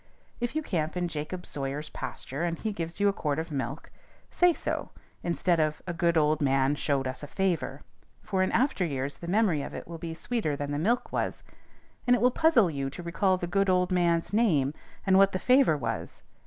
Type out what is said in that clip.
If you camp in Jacob Sawyer's pasture, and he gives you a quart of milk, say so, instead of "a good old man showed us a favor;" for in after years the memory of it will be sweeter than the milk was, and it will puzzle you to recall the "good old man's" name and what the favor was.